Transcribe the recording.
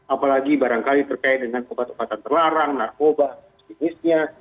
apalagi barangkali terkait dengan obat obatan terlarang narkoba jenisnya